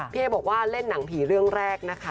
เอ๊บอกว่าเล่นหนังผีเรื่องแรกนะคะ